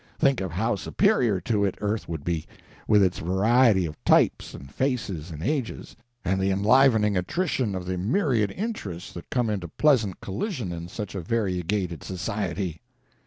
Think how superior to it earth would be, with its variety of types and faces and ages, and the enlivening attrition of the myriad interests that come into pleasant collision in such a variegated society."